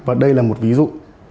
và đây là một ví dụ